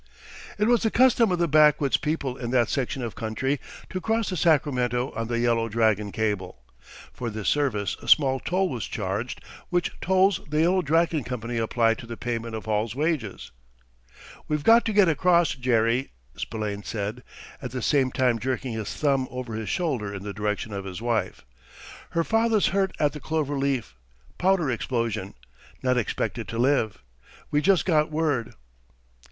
It was the custom of the backwoods people in that section of country to cross the Sacramento on the Yellow Dragon cable. For this service a small toll was charged, which tolls the Yellow Dragon Company applied to the payment of Hall's wages. "We've got to get across, Jerry," Spillane said, at the same time jerking his thumb over his shoulder in the direction of his wife. "Her father's hurt at the Clover Leaf. Powder explosion. Not expected to live. We just got word."